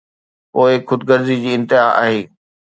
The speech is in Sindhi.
پوءِ خود غرضي جي انتها آهي.